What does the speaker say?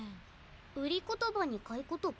売り言葉に買い言葉？